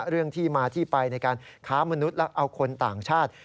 เรื่องที่มาที่ไปในการค้ามนุษย์และเอาคนต่างชาติ